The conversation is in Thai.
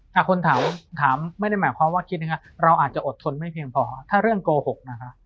ถ้าคนถามไม่ได้หมายความว่าคิดยังไงเราอาจจะอดทนไม่เพียงพอถ้าเรื่องโกหกนะคะ